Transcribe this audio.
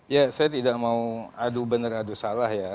ya saya tidak mau adu benar adu salah ya